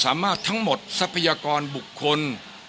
สามารถทั้งหมดทรัพยากรบุคคล